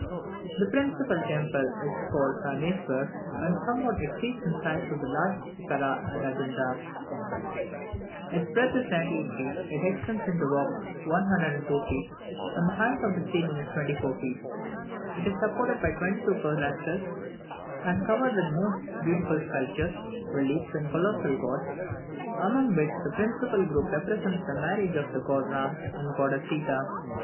The principal temple is called Rameswur, and somewhat exceeds in size the largest vichara at Adjunta; its breadth is ninety eight feet, it extends into the rock 102 feet, and the height of the ceiling is twenty four feet; it is supported by twenty two pilasters, and covered with the most beautiful sculptures, reliefs, and colossal gods, among which the principal group represents the marriage of the god Ram and the goddess Seeta.